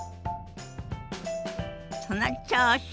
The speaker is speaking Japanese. その調子！